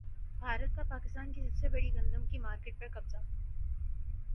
بھارت کا پاکستان کی سب سے بڑی گندم کی مارکیٹ پر قبضہ